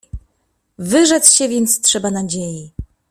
"Wyrzec się więc trzeba nadziei."